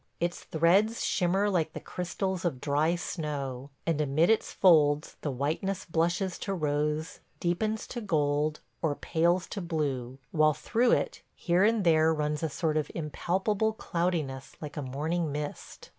Its threads shimmer like the crystals of dry snow, and amid its folds the whiteness blushes to rose, deepens to gold, or pales to blue, while through it here and there runs a sort of impalpable cloudiness like a morning mist.